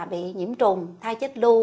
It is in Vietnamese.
bị nhiễm trùng thai chết lưu